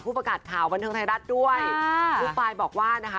ประกาศข่าวบันเทิงไทยรัฐด้วยลูกปลายบอกว่านะคะ